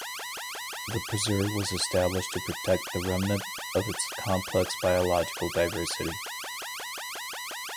The Preserve was established to protect the remnant of its complex biological diversity.